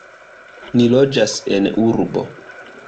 Ni loĝas en urbo.